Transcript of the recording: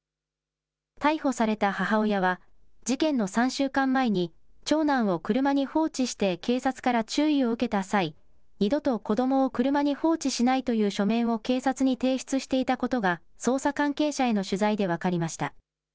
逮捕された母親は事件の３週間前に長男を車に放置して警察から注意を受けた際二度と子どもを車に放置しないという書面を警察に提出していたことが捜査関係者への取材で分かりました。